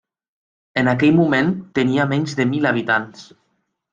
En aquell moment, tenia menys de mil habitants.